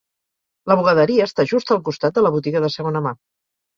La bugaderia està just al costat de la botiga de segona mà.